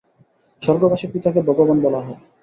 স্বর্গবাসী পিতাকে ভগবান বলা হয়।